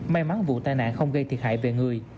may mắn vụ tai nạn không gây thiệt hại về người